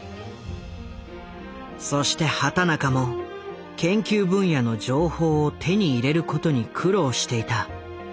そして畑中も研究分野の情報を手に入れることに苦労していた。